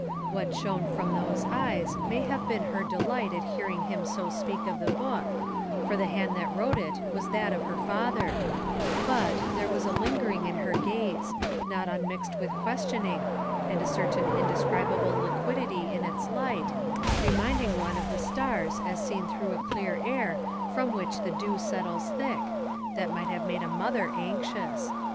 What shone from those eyes may have been her delight at hearing him so speak of the book, for the hand that wrote it was that of her father; but there was a lingering in her gaze, not unmixed with questioning, and a certain indescribable liquidity in its light, reminding one of the stars as seen through a clear air from which the dew settles thick, that might have made a mother anxious.